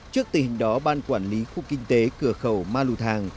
trước tình hình đó ban quản lý khu kinh tế cửa khẩu ma lù thàng